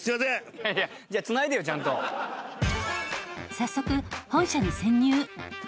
早速本社に潜入。